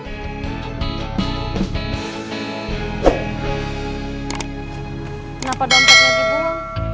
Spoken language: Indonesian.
kenapa dompetnya dibuang